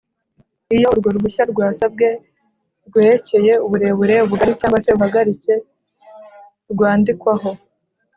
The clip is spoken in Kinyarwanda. iyo urwo ruhushya rwasabwe rwerekeye uburebure, ubugali cg se Ubuhagarike rwandikwaho